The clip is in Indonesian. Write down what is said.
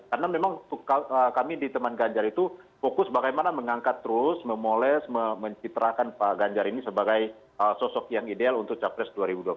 karena memang kami di teman ganjar itu fokus bagaimana mengangkat terus memoles mencitrakan pak ganjar ini sebagai sosok yang ideal untuk capres dua ribu dua puluh empat